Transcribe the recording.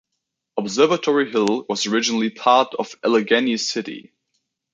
Observatory Hill was originally part of Allegheny City.